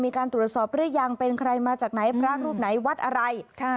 มีการตรวจสอบหรือยังเป็นใครมาจากไหนพระรูปไหนวัดอะไรค่ะ